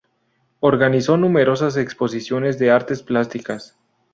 Organizó numerosas exposiciones de artes plásticas.